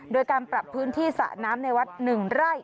โดยการปรับพื้นที่สระน้ำในวัด๑ไร่